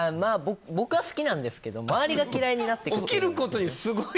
僕は、好きなんですけど周りが嫌いになってくる。